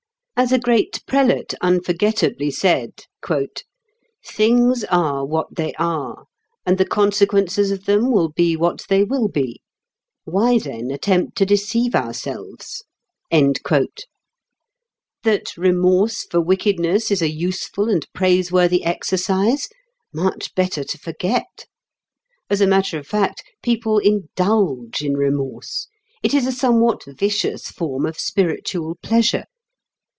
As a great prelate unforgettably said, "Things are what they are, and the consequences of them will be what they will be. Why, then, attempt to deceive ourselves" that remorse for wickedness is a useful and praiseworthy exercise? Much better to forget. As a matter of fact, people "indulge" in remorse; it is a somewhat vicious form of spiritual pleasure.